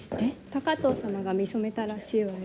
高藤様が見初めたらしいわよ。